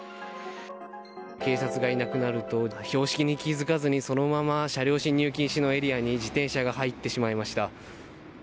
警察がいなくなると標識に気づかずにそのまま車両進入禁止のエリアに自転車が入ってしまいました。